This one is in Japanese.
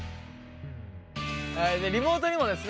リモートにもですね